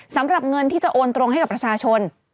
สำหรับเงินที่จะโอนตรงให้กับประชาชน